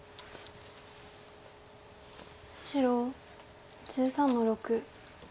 白１３の六。